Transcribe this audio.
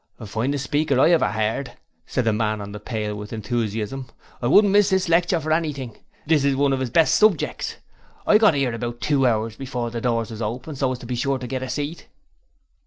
'Finest speaker I ever 'eard,' said the man on the pail with enthusiasm. 'I wouldn't miss this lecture for anything: this is one of 'is best subjects. I got 'ere about two hours before the doors was opened, so as to be sure to get a seat.'